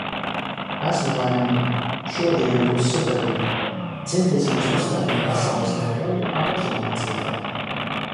Esmu laimīga. Šodiena būs superīga! Centīsimies uzstādīt pasaules rekordu ātrmācībā.